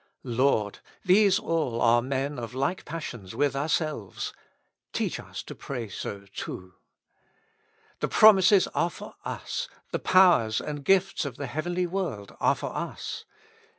Lord ! these all are men of like passions with ourselves ; teach us to pray so too. The promises are for us, the powers and gifts of the heavenly world are for us.